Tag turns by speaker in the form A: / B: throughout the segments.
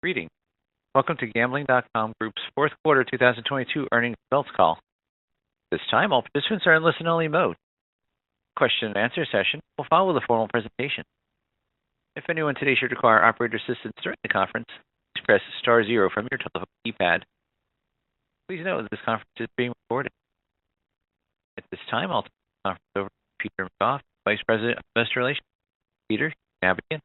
A: Greetings. Welcome to Gambling.com Group's Fourth Quarter 2022 Earnings Results Call. This time, all participants are in listen-only mode. Question and answer session will follow the formal presentation. If anyone today should require operator assistance during the conference, express star zero from your telephone keypad. Please note that this conference is being recorded. At this time, I'll turn the conference over to Peter McGough, Vice President of Investor Relations. Peter, have it again.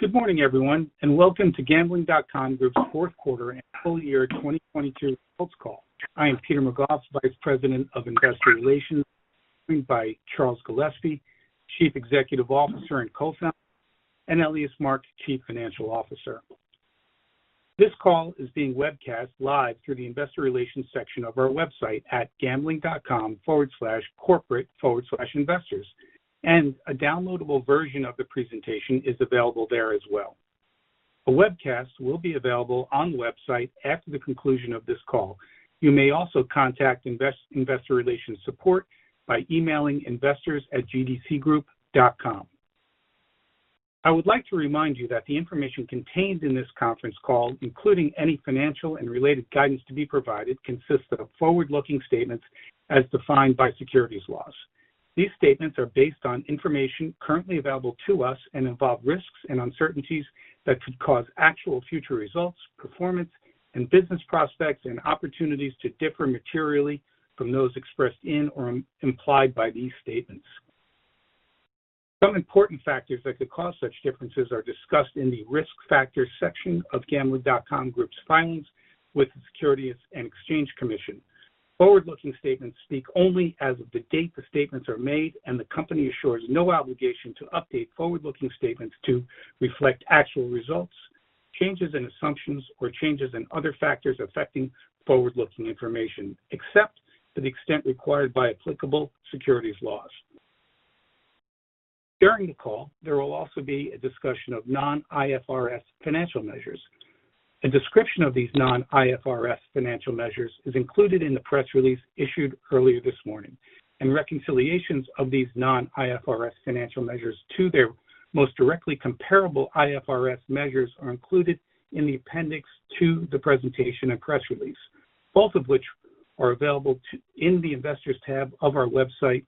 B: Good morning, everyone, welcome to Gambling.com Group's Fourth Quarter and Full Year 2022 Results Call. I am Peter McGough, Vice President of Investor Relations, joined by Charles Gillespie, Chief Executive Officer and Co-founder, and Elias Mark, Chief Financial Officer. This call is being webcast live through the investor relations section of our website at gambling.com/corporate/investors. A downloadable version of the presentation is available there as well. A webcast will be available on the website after the conclusion of this call. You may also contact investor relations support by emailing investors@gdcgroup.com. I would like to remind you that the information contained in this conference call, including any financial and related guidance to be provided, consists of forward-looking statements as defined by securities laws. These statements are based on information currently available to us and involve risks and uncertainties that could cause actual future results, performance, and business prospects and opportunities to differ materially from those expressed in or implied by these statements. Some important factors that could cause such differences are discussed in the Risk Factors section of Gambling.com Group's filings with the Securities and Exchange Commission. Forward-looking statements speak only as of the date the statements are made, and the company assures no obligation to update forward-looking statements to reflect actual results, changes in assumptions, or changes in other factors affecting forward-looking information, except to the extent required by applicable securities laws. During the call, there will also be a discussion of non-IFRS financial measures. A description of these non-IFRS financial measures is included in the press release issued earlier this morning, and reconciliations of these non-IFRS financial measures to their most directly comparable IFRS measures are included in the appendix to the presentation and press release, both of which are available in the Investors tab of our website.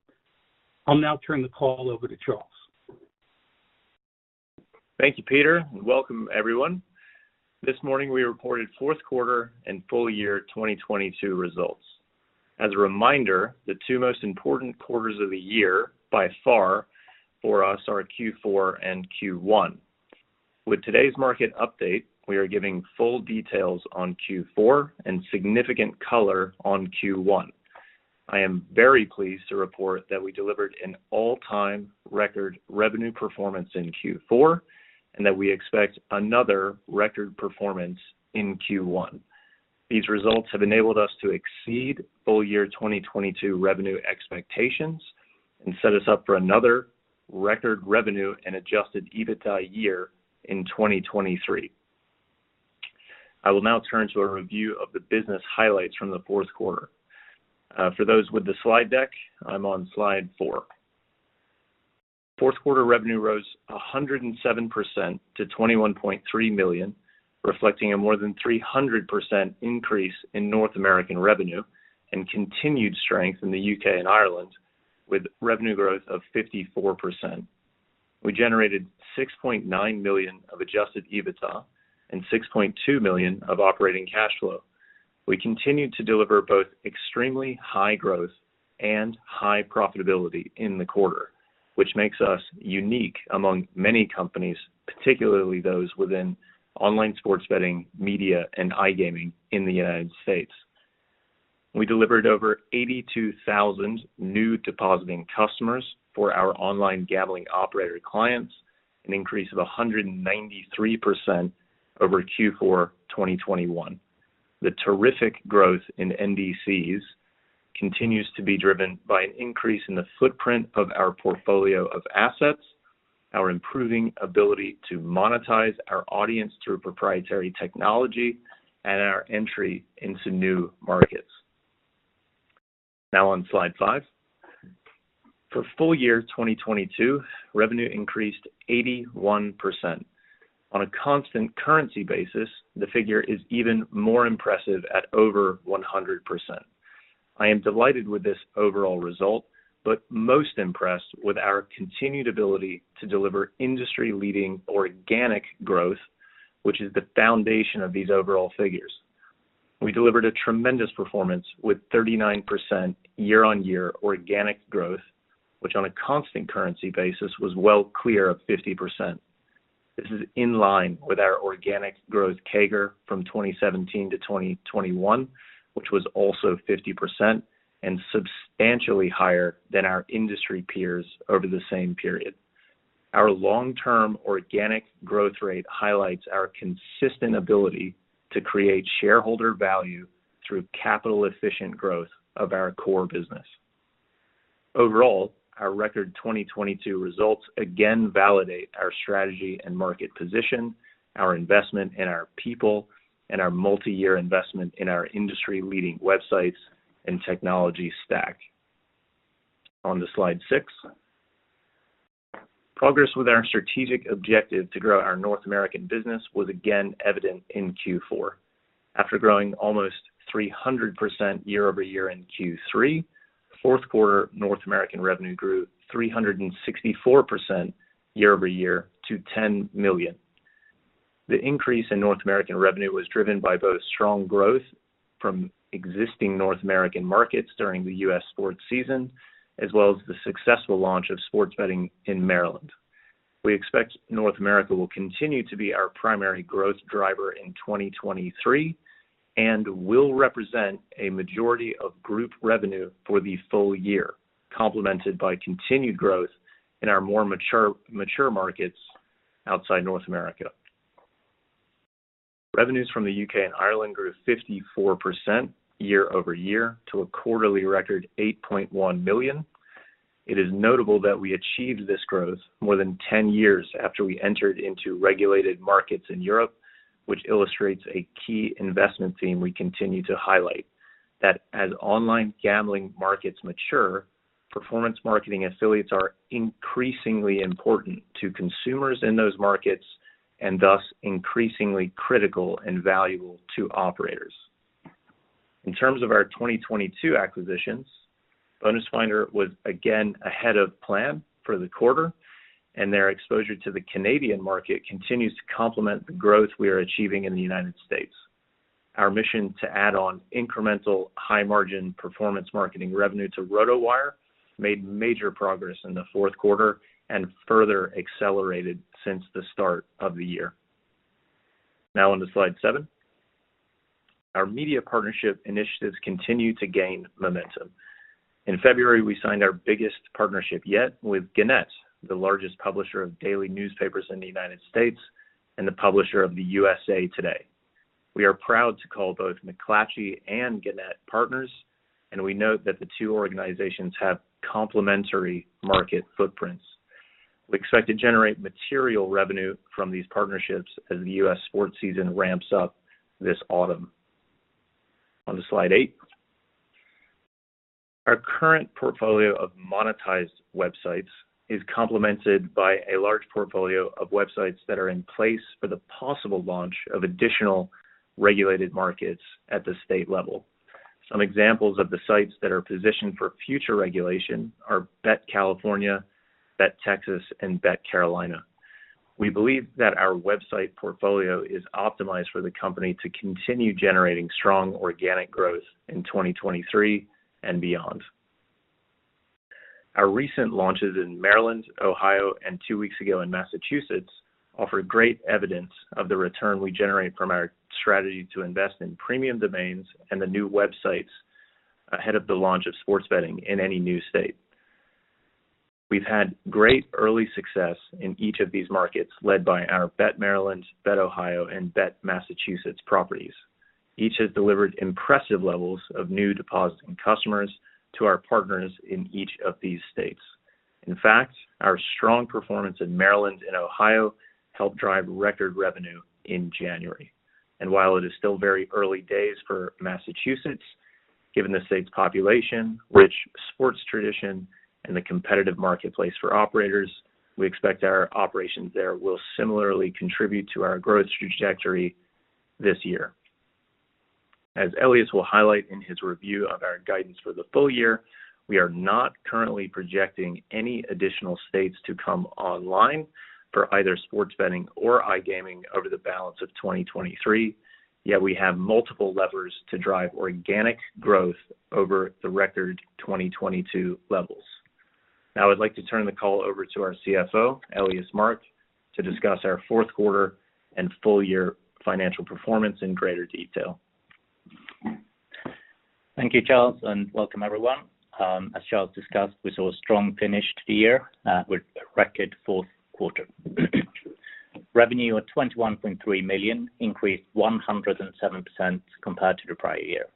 B: I'll now turn the call over to Charles.
C: Thank you, Peter. Welcome everyone. This morning, we reported fourth quarter and full year 2022 results. As a reminder, the two most important quarters of the year by far for us are Q4 and Q1. With today's market update, we are giving full details on Q4 and significant color on Q1. I am very pleased to report that we delivered an all-time record revenue performance in Q4, and that we expect another record performance in Q1. These results have enabled us to exceed full year 2022 revenue expectations and set us up for another record revenue and adjusted EBITDA year in 2023. I will now turn to a review of the business highlights from the fourth quarter. For those with the slide deck, I'm on slide four. Fourth quarter revenue rose 107% to $21.3 million, reflecting a more than 300% increase in North American revenue and continued strength in the U.K. and Ireland with revenue growth of 54%. We generated $6.9 million of adjusted EBITDA and $6.2 million of operating cash flow. We continued to deliver both extremely high growth and high profitability in the quarter, which makes us unique among many companies, particularly those within online sports betting, media, and iGaming in the United States. We delivered over 82,000 new depositing customers for our online gambling operator clients, an increase of 193% over Q4 2021. The terrific growth in NDCs continues to be driven by an increase in the footprint of our portfolio of assets, our improving ability to monetize our audience through proprietary technology, and our entry into new markets. On slide five. For full year 2022, revenue increased 81%. On a constant currency basis, the figure is even more impressive at over 100%. I am delighted with this overall result, but most impressed with our continued ability to deliver industry-leading organic growth, which is the foundation of these overall figures. We delivered a tremendous performance with 39% year-over-year organic growth, which on a constant currency basis was well clear of 50%. This is in line with our organic growth CAGR from 2017 to 2021, which was also 50% and substantially higher than our industry peers over the same period. Our long-term organic growth rate highlights our consistent ability to create shareholder value through capital-efficient growth of our core business. Overall, our record 2022 results again validate our strategy and market position, our investment in our people, and our multi-year investment in our industry-leading websites and technology stack. On to slide six. Progress with our strategic objective to grow our North American business was again evident in Q4. After growing almost 300% year-over-year in Q3, fourth quarter North American revenue grew 364% year-over-year to $10 million. The increase in North American revenue was driven by both strong growth from existing North American markets during the U.S. sports season, as well as the successful launch of sports betting in Maryland. We expect North America will continue to be our primary growth driver in 2023, and will represent a majority of group revenue for the full year, complemented by continued growth in our more mature markets outside North America. Revenues from the U.K. and Ireland grew 54% year-over-year to a quarterly record $8.1 million. It is notable that we achieved this growth more than 10 years after we entered into regulated markets in Europe, which illustrates a key investment theme we continue to highlight, that as online gambling markets mature, performance marketing affiliates are increasingly important to consumers in those markets and thus increasingly critical and valuable to operators. In terms of our 2022 acquisitions, BonusFinder was again ahead of plan for the quarter, and their exposure to the Canadian market continues to complement the growth we are achieving in the United States. Our mission to add on incremental high margin performance marketing revenue to RotoWire made major progress in the fourth quarter and further accelerated since the start of the year. On to slide seven. Our media partnership initiatives continue to gain momentum. In February, we signed our biggest partnership yet with Gannett, the largest publisher of daily newspapers in the United States and the publisher of the USA TODAY. We are proud to call both McClatchy and Gannett partners, and we note that the two organizations have complementary market footprints. We expect to generate material revenue from these partnerships as the U.S. sports season ramps up this autumn. On to slide eight. Our current portfolio of monetized websites is complemented by a large portfolio of websites that are in place for the possible launch of additional regulated markets at the state level. Some examples of the sites that are positioned for future regulation are BetCalifornia, BetTexas, and BetCarolina. We believe that our website portfolio is optimized for the company to continue generating strong organic growth in 2023 and beyond. Our recent launches in Maryland, Ohio, and two weeks ago in Massachusetts offer great evidence of the return we generate from our strategy to invest in premium domains and the new websites ahead of the launch of sports betting in any new state. We've had great early success in each of these markets, led by our BetMaryland, BetOhio and BetMassachusetts properties. Each has delivered impressive levels of New Depositing Customers to our partners in each of these states. In fact, our strong performance in Maryland and Ohio helped drive record revenue in January. While it is still very early days for Massachusetts, given the state's population, rich sports tradition, and the competitive marketplace for operators, we expect our operations there will similarly contribute to our growth trajectory this year. As Elias will highlight in his review of our guidance for the full year, we are not currently projecting any additional states to come online for either sports betting or iGaming over the balance of 2023, yet we have multiple levers to drive organic growth over the record 2022 levels. I'd like to turn the call over to our CFO, Elias Mark, to discuss our fourth quarter and full year financial performance in greater detail.
D: Thank you, Charles, and welcome, everyone. As Charles discussed, we saw a strong finish to the year with a record fourth quarter. Revenue of $21.3 million increased 107% compared to the prior year.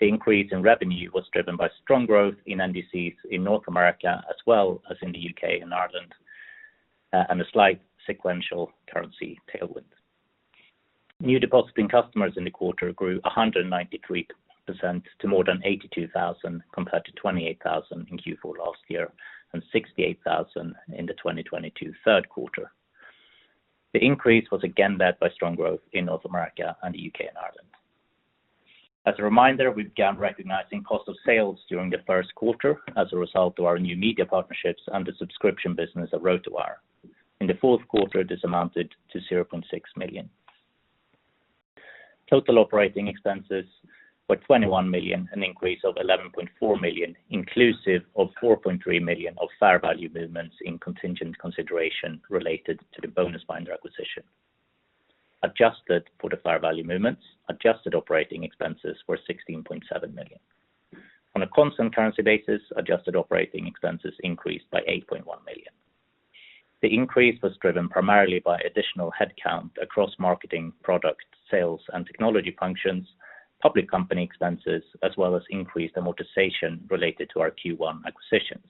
D: The increase in revenue was driven by strong growth in NDCs in North America as well as in the U.K. and Ireland and a slight sequential currency tailwind. New depositing customers in the quarter grew 193% to more than 82,000 compared to 28,000 in Q4 last year and 68,000 in the 2022 third quarter. The increase was again led by strong growth in North America and the U.K. and Ireland. As a reminder, we began recognizing cost of sales during the first quarter as a result of our new media partnerships and the subscription business at RotoWire. In the fourth quarter, this amounted to $0.6 million. Total operating expenses were $21 million, an increase of $11.4 million, inclusive of $4.3 million of fair value movements in contingent consideration related to the BonusFinder acquisition. Adjusted for the fair value movements, adjusted operating expenses were $16.7 million. On a constant currency basis, adjusted operating expenses increased by $8.1 million. The increase was driven primarily by additional headcount across marketing, product, sales, and technology functions, public company expenses, as well as increased amortization related to our Q1 acquisitions.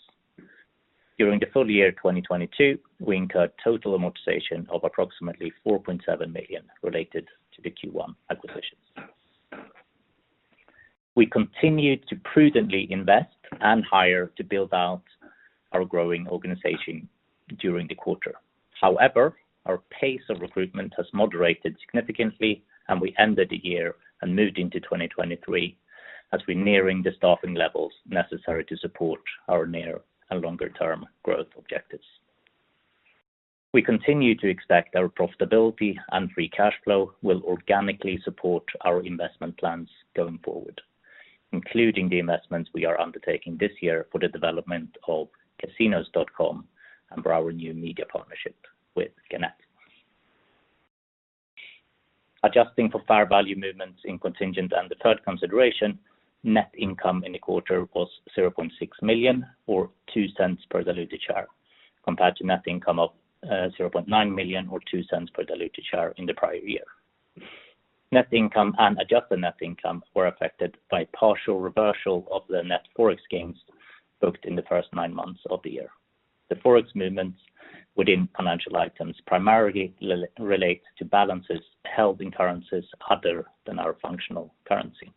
D: During the full year 2022, we incurred total amortization of approximately $4.7 million related to the Q1 acquisitions. We continued to prudently invest and hire to build out our growing organization during the quarter. Our pace of recruitment has moderated significantly, and we ended the year and moved into 2023 as we're nearing the staffing levels necessary to support our near and longer-term growth objectives. We continue to expect our profitability and free cash flow will organically support our investment plans going forward, including the investments we are undertaking this year for the development of Casinos.com and for our new media partnership with Gannett. Adjusting for fair value movements in contingent and deferred consideration, net income in the quarter was $0.6 million or $0.02 per diluted share, compared to net income of $0.9 million or $0.02 per diluted share in the prior year. Net income and adjusted net income were affected by partial reversal of the net Forex gains booked in the first nine months of the year. The Forex movements within financial items primarily relates to balances held in currencies other than our functional currency.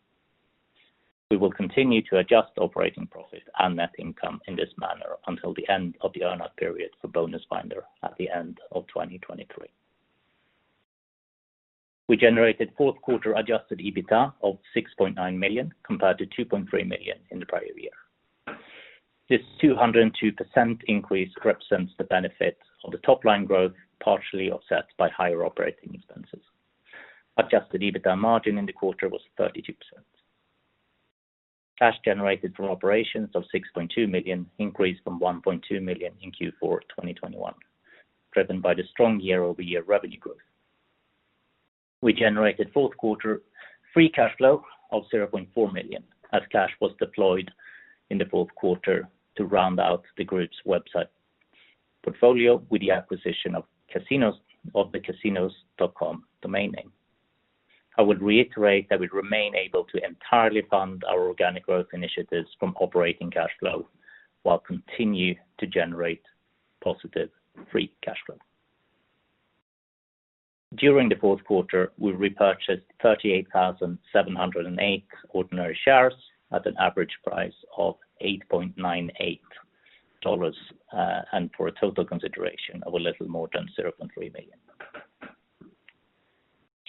D: We will continue to adjust operating profit and net income in this manner until the end of the earnout period for BonusFinder at the end of 2023. We generated fourth-quarter adjusted EBITDA of $6.9 million, compared to $2.3 million in the prior year. This 202% increase represents the benefit of the top-line growth, partially offset by higher operating expenses. Adjusted EBITDA margin in the quarter was 32%. Cash generated from operations of $6.2 million increased from $1.2 million in Q4 2021, driven by the strong year-over-year revenue growth. We generated fourth-quarter free cash flow of $0.4 million, as cash was deployed in the fourth quarter to round out the group's website portfolio with the acquisition of the Casinos.com domain name. I would reiterate that we remain able to entirely fund our organic growth initiatives from operating cash flow while continue to generate positive free cash flow. During the fourth quarter, we repurchased 38,708 ordinary shares at an average price of $8.98, and for a total consideration of a little more than $0.3 million.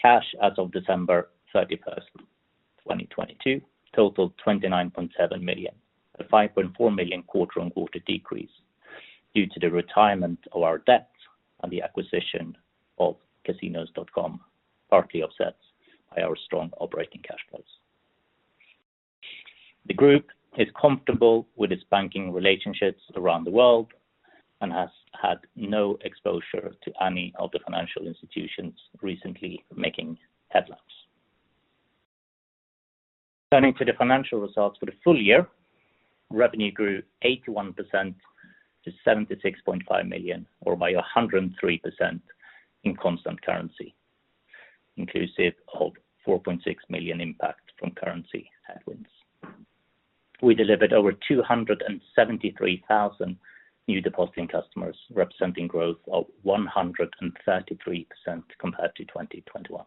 D: Cash as of December 31st, 2022 totaled $29.7 million, a $5.4 million quarter-on-quarter decrease due to the retirement of our debt and the acquisition of Casinos.com, partly offset by our strong operating cash flows. The group is comfortable with its banking relationships around the world and has had no exposure to any of the financial institutions recently making headlines. Turning to the financial results for the full year, revenue grew 81% to $76.5 million, or by 103% in constant currency, inclusive of $4.6 million impact from currency headwinds. We delivered over 273,000 New Depositing Customers, representing growth of 133% compared to 2021.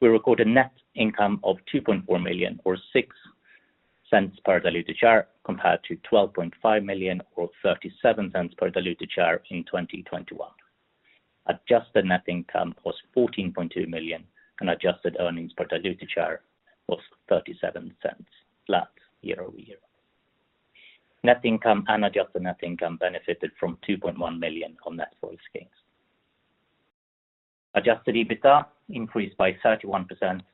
D: We recorded net income of $2.4 million, or $0.06 per diluted share, compared to $12.5 million or $0.37 per diluted share in 2021. Adjusted net income was $14.2 million, and adjusted earnings per diluted share was $0.37, flat year-over-year. Net income and adjusted net income benefited from $2.1 million on net gains. Adjusted EBITDA increased by 31%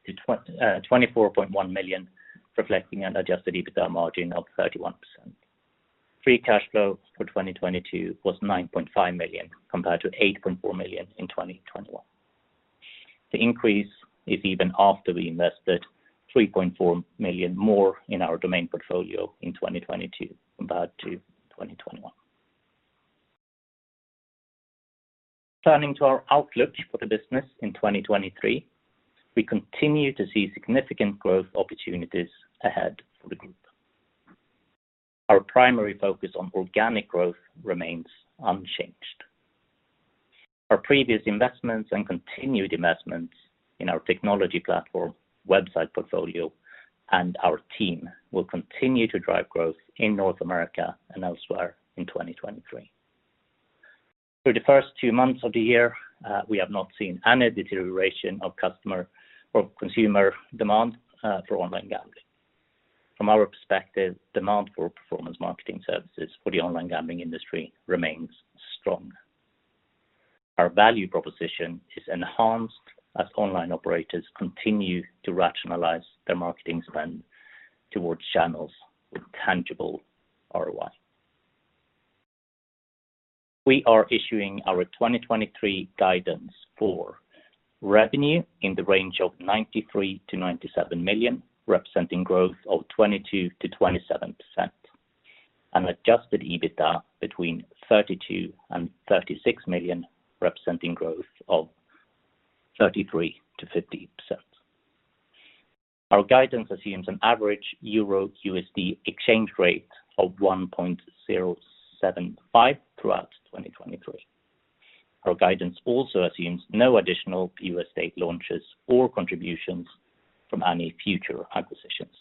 D: to $24.1 million, reflecting an adjusted EBITDA margin of 31%. Free cash flow for 2022 was $9.5 million, compared to $8.4 million in 2021. The increase is even after we invested $3.4 million more in our domain portfolio in 2022 compared to 2021. Turning to our outlook for the business in 2023, we continue to see significant growth opportunities ahead for the group. Our primary focus on organic growth remains unchanged. Our previous investments and continued investments in our technology platform, website portfolio, and our team will continue to drive growth in North America and elsewhere in 2023. Through the first two months of the year, we have not seen any deterioration of customer or consumer demand for online gambling. From our perspective, demand for performance marketing services for the online gambling industry remains strong. Our value proposition is enhanced as online operators continue to rationalize their marketing spend towards channels with tangible ROI. We are issuing our 2023 guidance for revenue in the range of $93 million-$97 million, representing growth of 22%-27%, and adjusted EBITDA between $32 million and $36 million, representing growth of 33%-50%. Our guidance assumes an average EUR/USD exchange rate of 1.075 throughout 2023. Our guidance also assumes no additional U.S. state launches or contributions from any future acquisitions.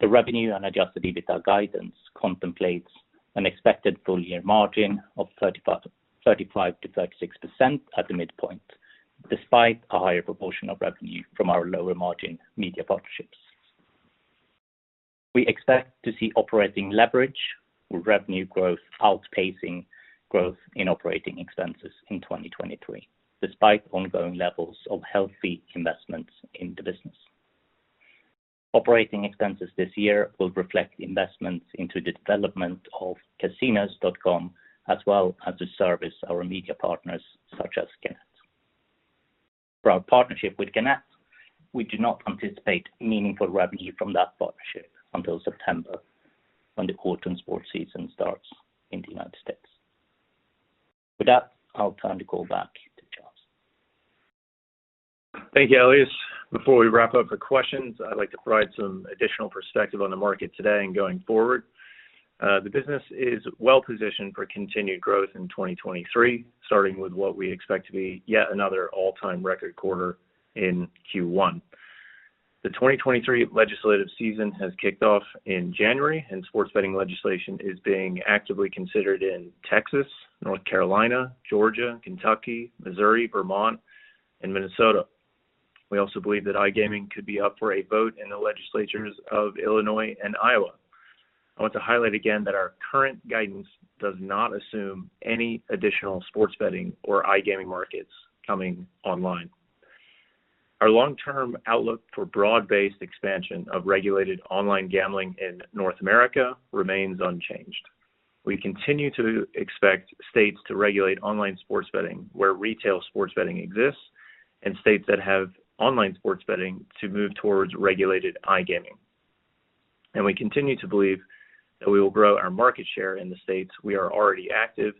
D: The revenue and adjusted EBITDA guidance contemplates an expected full year margin of 35%-36% at the midpoint, despite a higher proportion of revenue from our lower margin media partnerships. We expect to see operating leverage with revenue growth outpacing growth in operating expenses in 2023, despite ongoing levels of healthy investments in the business. Operating expenses this year will reflect investments into the development of Casinos.com as well as to service our media partners such as Gannett. For our partnership with Gannett, we do not anticipate meaningful revenue from that partnership until September, when the college sports season starts in the United States. With that, I'll turn the call back to Charles.
C: Thank you, Elias. Before we wrap up the questions, I'd like to provide some additional perspective on the market today and going forward. The business is well-positioned for continued growth in 2023, starting with what we expect to be yet another all-time record quarter in Q1. The 2023 legislative season has kicked off in January. Sports betting legislation is being actively considered in Texas, North Carolina, Georgia, Kentucky, Missouri, Vermont, and Minnesota. We also believe that iGaming could be up for a vote in the legislatures of Illinois and Iowa. I want to highlight again that our current guidance does not assume any additional sports betting or iGaming markets coming online. Our long-term outlook for broad-based expansion of regulated online gambling in North America remains unchanged. We continue to expect states to regulate online sports betting where retail sports betting exists, and states that have online sports betting to move towards regulated iGaming. We continue to believe that we will grow our market share in the states we are already active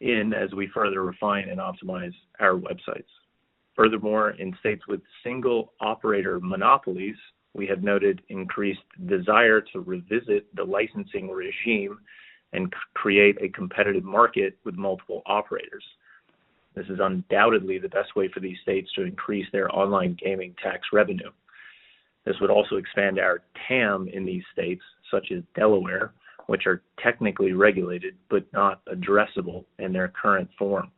C: in as we further refine and optimize our websites. Furthermore, in states with single operator monopolies, we have noted increased desire to revisit the licensing regime and create a competitive market with multiple operators. This is undoubtedly the best way for these states to increase their online gaming tax revenue. This would also expand our TAM in these states, such as Delaware, which are technically regulated but not addressable in their current form.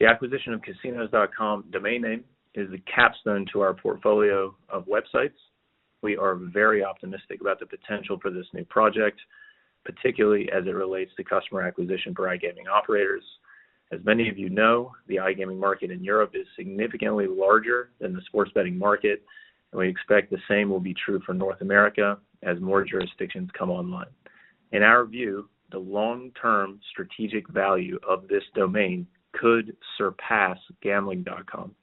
C: The acquisition of Casinos.com domain name is the capstone to our portfolio of websites. We are very optimistic about the potential for this new project, particularly as it relates to customer acquisition for iGaming operators. As many of you know, the iGaming market in Europe is significantly larger than the sports betting market, and we expect the same will be true for North America as more jurisdictions come online. In our view, the long-term strategic value of this domain could surpass gambling.com.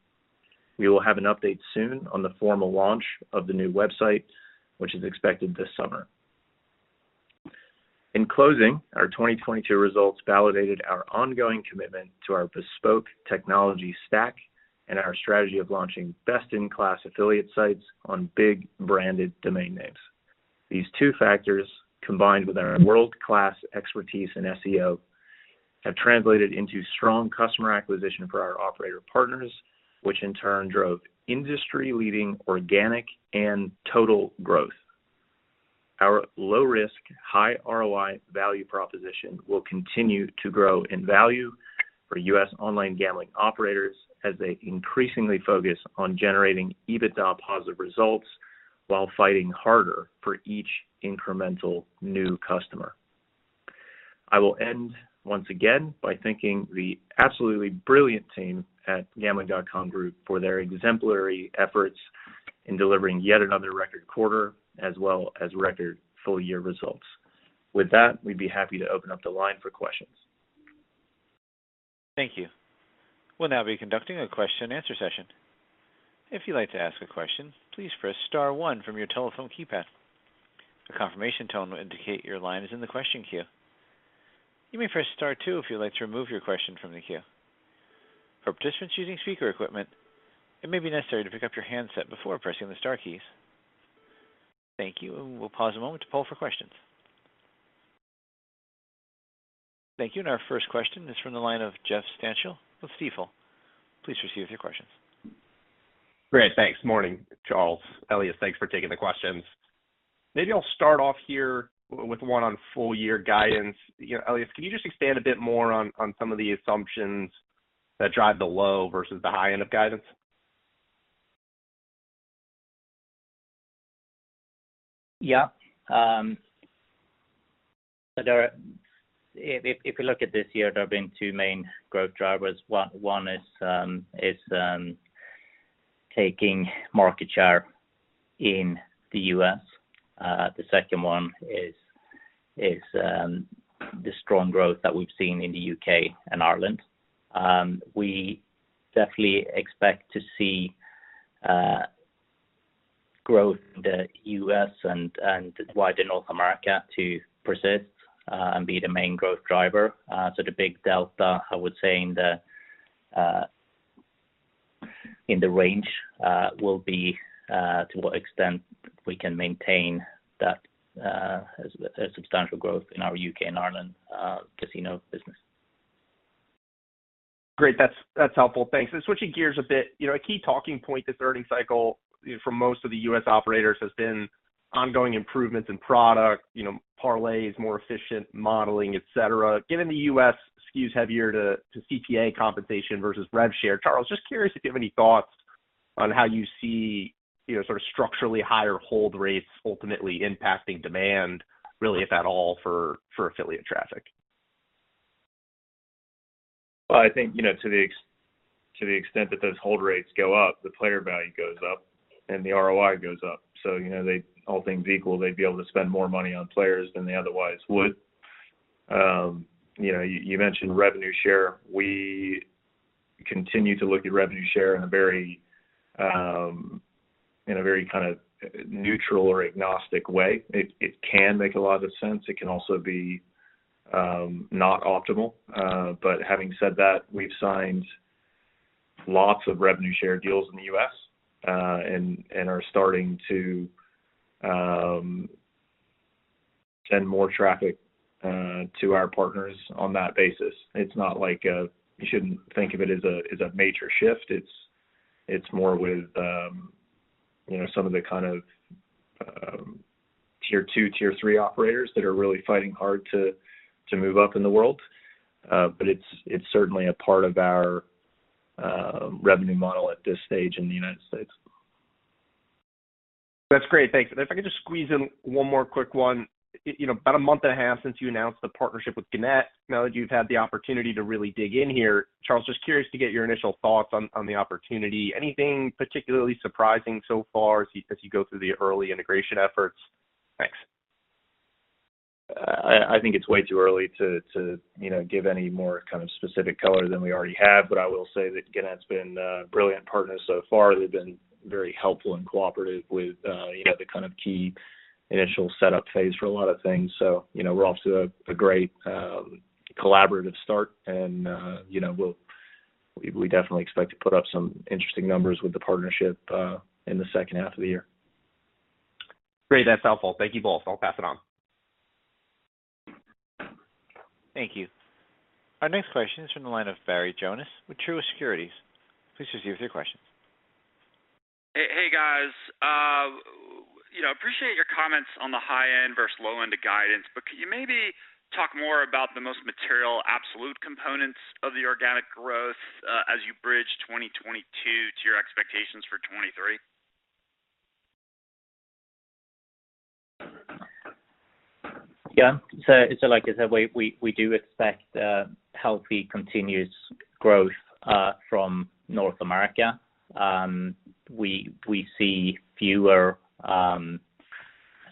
C: We will have an update soon on the formal launch of the new website, which is expected this summer. In closing, our 2022 results validated our ongoing commitment to our bespoke technology stack and our strategy of launching best-in-class affiliate sites on big branded domain names. These two factors, combined with our world-class expertise in SEO, have translated into strong customer acquisition for our operator partners, which in turn drove industry-leading organic and total growth. Our low risk, high ROI value proposition will continue to grow in value for U.S. online gambling operators as they increasingly focus on generating EBITDA positive results while fighting harder for each incremental new customer. I will end once again by thanking the absolutely brilliant team at Gambling.com Group for their exemplary efforts in delivering yet another record quarter as well as record full-year results. With that, we'd be happy to open up the line for questions.
A: Thank you. We'll now be conducting a question and answer session. If you'd like to ask a question, please press star one from your telephone keypad. A confirmation tone will indicate your line is in the question queue. You may press star two if you'd like to remove your question from the queue. For participants using speaker equipment, it may be necessary to pick up your handset before pressing the star keys. Thank you. We'll pause a moment to poll for questions. Thank you. Our first question is from the line of Jeff Stantial of Stifel. Please proceed with your questions.
E: Great. Thanks. Morning, Charles. Elias, thanks for taking the questions. Maybe I'll start off here with one on full year guidance. You know, Elias, can you just expand a bit more on some of the assumptions that drive the low versus the high end of guidance?
D: Yeah. If you look at this year, there have been two main growth drivers. One is taking market share in the U.S. The second one is the strong growth that we've seen in the U.K. and Ireland. We definitely expect to see growth in the U.S. and wider North America to persist and be the main growth driver. So the big delta, I would say, in the range will be to what extent we can maintain that as a substantial growth in our U.K. and Ireland casino business.
E: Great. That's helpful. Thanks. Switching gears a bit, you know, a key talking point this earning cycle, you know, for most of the U.S. operators has been ongoing improvements in product, you know, parlays, more efficient modeling, et cetera. Given the U.S. skews heavier to CPA compensation versus rev share, Charles, just curious if you have any thoughts on how you see, you know, sort of structurally higher hold rates ultimately impacting demand really, if at all, for affiliate traffic.
C: Well, I think, you know, to the extent that those hold rates go up, the player value goes up, and the ROI goes up. you know, all things equal, they'd be able to spend more money on players than they otherwise would. you know, you mentioned revenue share. We continue to look at revenue share in a very, in a very kind of neutral or agnostic way. It, it can make a lot of sense. It can also be not optimal. Having said that, we've signed lots of revenue share deals in the U.S., and are starting to send more traffic to our partners on that basis. It's not like, you shouldn't think of it as a, as a major shift. It's more with, you know, some of the kind of, tier two, tier three operators that are really fighting hard to move up in the world. It's certainly a part of our revenue model at this stage in the United States.
E: That's great. Thanks. If I could just squeeze in one more quick one. You know, about a month and a half since you announced the partnership with Gannett. Now that you've had the opportunity to really dig in here, Charles, just curious to get your initial thoughts on the opportunity. Anything particularly surprising so far as you go through the early integration efforts? Thanks.
C: I think it's way too early to, you know, give any more kind of specific color than we already have. I will say that Gannett's been a brilliant partner so far. They've been very helpful and cooperative with, you know, the kind of key initial setup phase for a lot of things. You know, we're off to a great collaborative start and, you know, we definitely expect to put up some interesting numbers with the partnership in the second half of the year.
E: Great. That's helpful. Thank you both. I'll pass it on.
A: Thank you. Our next question is from the line of Barry Jonas with Truist Securities. Please proceed with your questions.
F: Hey, guys. you know, appreciate your comments on the high end versus low end of guidance, but could you maybe talk more about the most material absolute components of the organic growth, as you bridge 2022 to your expectations for 2023?
D: Yeah. Like I said, we do expect healthy continuous growth from North America. We see fewer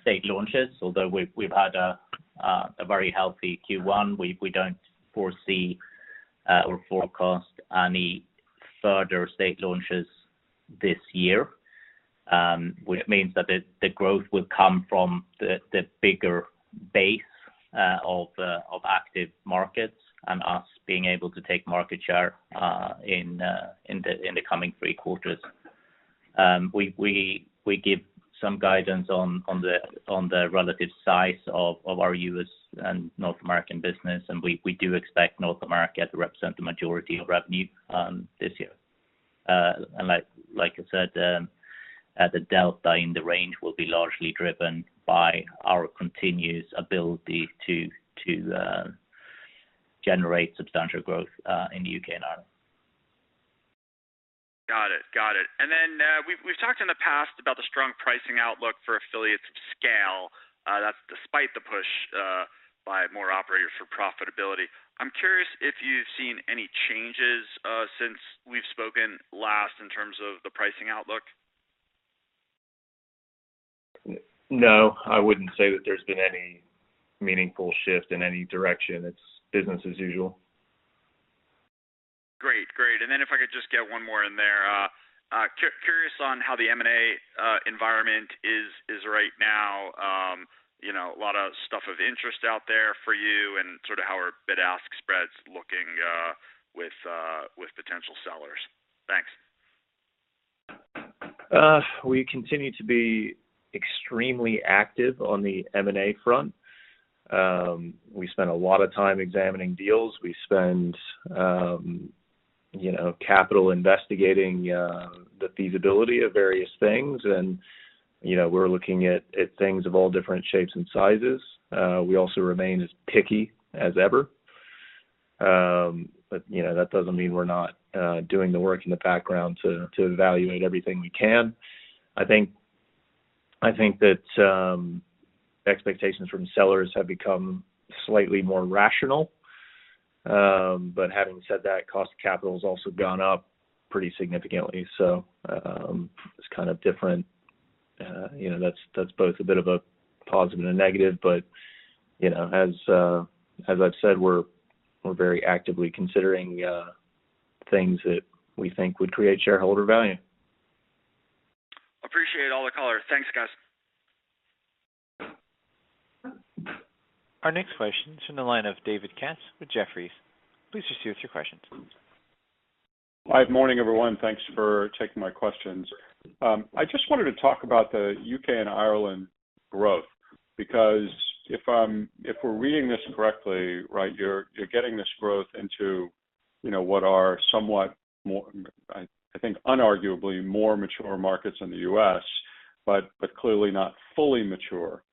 D: state launches. Although we've had a very healthy Q1, we don't foresee or forecast any further state launches this year, which means that the growth will come from the bigger base of active markets and us being able to take market share in the coming three quarters. We give some guidance on the relative size of our U.S. and North American business, and we do expect North America to represent the majority of revenue this year. Like I said, the delta in the range will be largely driven by our continuous ability to generate substantial growth, in the U.K. and Ireland.
F: Got it. Got it. Then, we've talked in the past about the strong pricing outlook for affiliates of scale. That's despite the push by more operators for profitability. I'm curious if you've seen any changes since we've spoken last in terms of the pricing outlook.
C: No, I wouldn't say that there's been any meaningful shift in any direction. It's business as usual.
F: Great. Great. Then if I could just get one more in there. Curious on how the M&A environment is right now. You know, a lot of stuff of interest out there for you and sort of how are bid-ask spreads looking with potential sellers. Thanks.
C: We continue to be extremely active on the M&A front. We spend a lot of time examining deals. We spend, you know, capital investigating the feasibility of various things. You know, we're looking at things of all different shapes and sizes. We also remain as picky as ever. You know, that doesn't mean we're not doing the work in the background to evaluate everything we can. I think that expectations from sellers have become slightly more rational. Having said that, cost of capital has also gone up pretty significantly. It's kind of different. You know, that's both a bit of a positive and a negative but, you know, as I've said, we're very actively considering things that we think would create shareholder value.
F: Appreciate all the color. Thanks, guys.
A: Our next question is from the line of David Katz with Jefferies. Please proceed with your questions.
G: Live morning, everyone. Thanks for taking my questions. I just wanted to talk about the U.K. and Ireland growth because if we're reading this correctly, right, you're getting this growth into, you know, what are somewhat more, I think unarguably more mature markets in the U.S., but clearly not fully mature.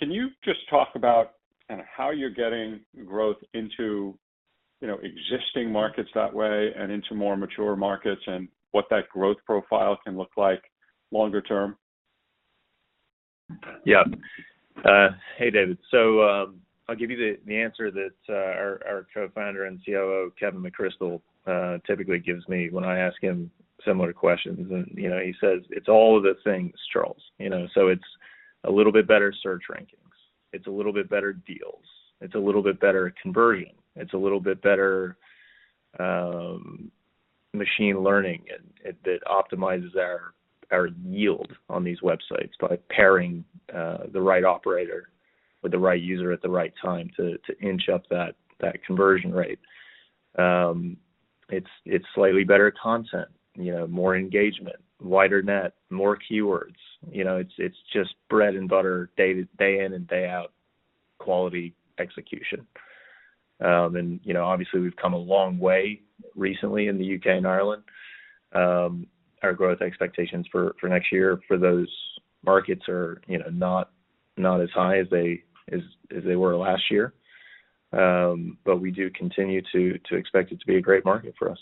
G: Can you just talk about kinda how you're getting growth into, you know, existing markets that way and into more mature markets and what that growth profile can look like longer term?
C: Hey, David. I'll give you the answer that our Co-founder and COO, Kevin McCrystle, typically gives me when I ask him similar questions. You know, he says, "It's all of the things, Charles." You know, it's a little bit better search rankings. It's a little bit better deals. It's a little bit better converting. It's a little bit better machine learning and that optimizes our yield on these websites by pairing the right operator with the right user at the right time to inch up that conversion rate. It's slightly better content, you know, more engagement, wider net, more keywords. You know, it's just bread and butter day in and day out quality execution. You know, obviously, we've come a long way recently in the U.K. and Ireland. Our growth expectations for next year for those markets are, you know, not as high as they were last year. We do continue to expect it to be a great market for us.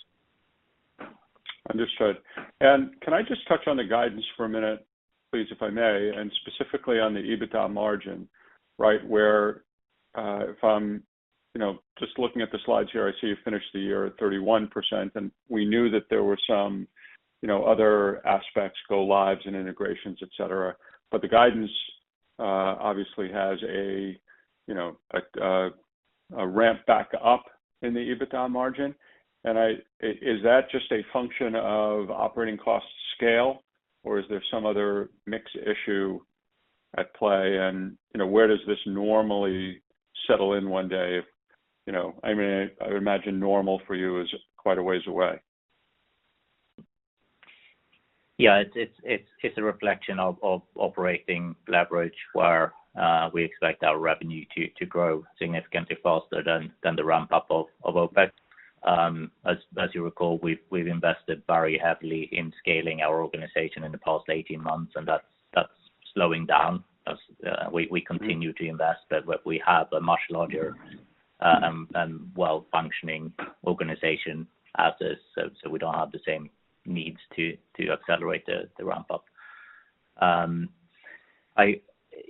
G: Understood. Can I just touch on the guidance for a minute, please, if I may, and specifically on the EBITDA margin, right? Where, if I'm, you know, just looking at the slides here, I see you finished the year at 31%, and we knew that there were some, you know, other aspects, go lives and integrations, et cetera. The guidance, obviously has a, you know, a, a ramp back up in the EBITDA margin. Is that just a function of operating cost scale, or is there some other mix issue at play? You know, where does this normally settle in one day? If, you know, I mean, I would imagine normal for you is quite a ways away.
D: Yeah. It's a reflection of operating leverage, where we expect our revenue to grow significantly faster than the ramp up of OpEx. As you recall, we've invested very heavily in scaling our organization in the past 18 months, and that's slowing down as we continue to invest. We have a much larger, well-functioning organization as is, so we don't have the same needs to accelerate the ramp up.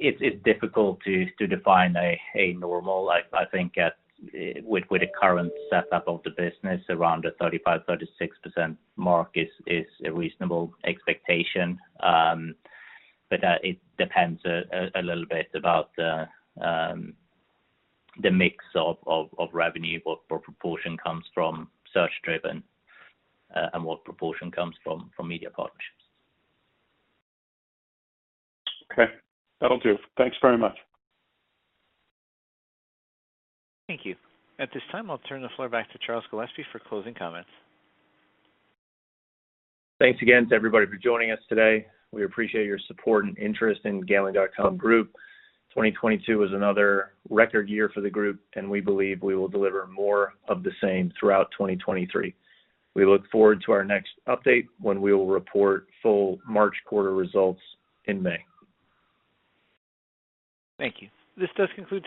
D: It's difficult to define a normal. I think at with the current setup of the business around the 35%-36% mark is a reasonable expectation. It depends a little bit about the mix of revenue, what proportion comes from search-driven, and what proportion comes from media partnerships.
G: Okay. That'll do. Thanks very much.
A: Thank you. At this time, I'll turn the floor back to Charles Gillespie for closing comments.
C: Thanks again to everybody for joining us today. We appreciate your support and interest in Gambling.com Group. 2022 was another record year for the group, and we believe we will deliver more of the same throughout 2023. We look forward to our next update when we will report full March quarter results in May.
A: Thank you. This does conclude today's-